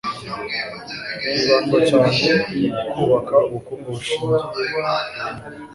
hibandwa cyane ku kubaka ubukungu bushingiye ku bumenyi